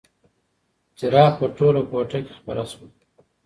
څراغ په ټوله کوټه کې خپره شوه.